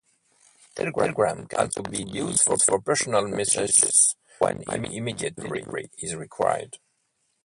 Telegrams can also be used for personal messages when immediate delivery is required.